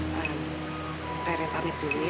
pak reh pamit dulu ya